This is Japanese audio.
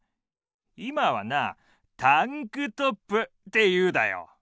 今はなタンクトップっていうだよ。